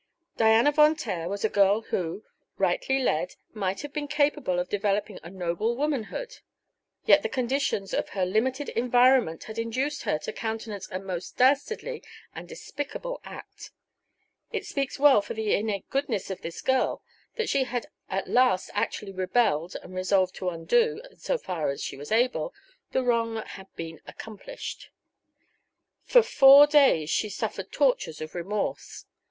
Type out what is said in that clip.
Diana Von Taer was a girl who, rightly led, might have been capable of developing a noble womanhood; yet the conditions of her limited environment had induced her to countenance a most dastardly and despicable act. It speaks well for the innate goodness of this girl that she at last actually rebelled and resolved to undo, insofar as she was able, the wrong that had been accomplished. For four days she suffered tortures of remorse.